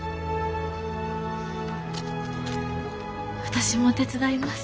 私も手伝います。